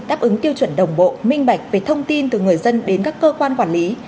đáp ứng tiêu chuẩn đồng bộ minh bạch về thông tin từ người dân đến các cơ quan quản lý